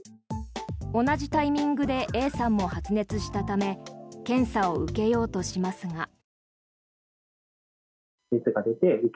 同じタイミングでＡさんも発熱したため検査を受けようとしますが。